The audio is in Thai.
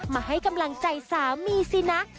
มาให้กำลังใจสามีสินะ